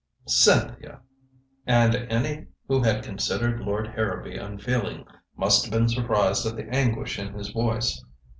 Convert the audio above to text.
"Cynthia!" And any who had considered Lord Harrowby unfeeling must have been surprised at the anguish in his voice.